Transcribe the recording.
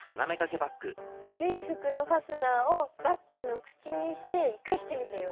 古い服のファスナーをバッグの口にして生かしてみたよ。